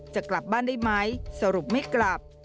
จะกลับบ้านได้ไหมสรุปไม่กลับ